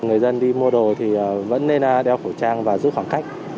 người dân đi mua đồ thì vẫn nên đeo khẩu trang và giữ khoảng cách